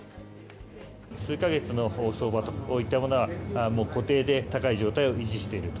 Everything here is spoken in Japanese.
数か月の相場といったものは、固定で高い状態を維持していると。